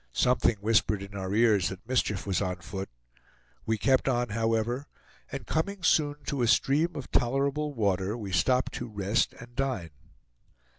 Something whispered in our ears that mischief was on foot; we kept on, however, and coming soon to a stream of tolerable water, we stopped to rest and dine.